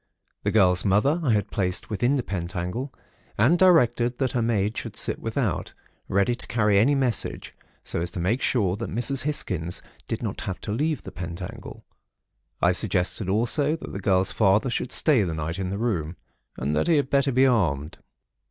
The girl's mother I had placed within the pentacle and directed that her maid should sit without, ready to carry any message, so as to make sure that Mrs. Hisgins did not have to leave the pentacle. I suggested also, that the girl's father should stay the night in the room, and that he had better be armed.